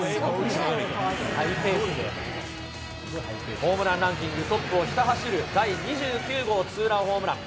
ホームランランキングトップをひた走る、第２９号ツーランホームラン。